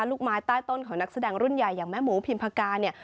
ลูกไม้ใต้ต้นของนักแสดงรุ่นใหญ่อย่างแม่หมูพิมพากาเนี่ย